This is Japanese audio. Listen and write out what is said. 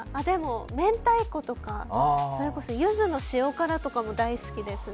明太子とかそれこそゆずの塩辛とかも大好きですね。